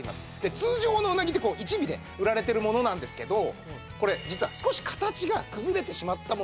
通常のうなぎってこう１尾で売られてるものなんですけどこれ実は少し形が崩れてしまったもの。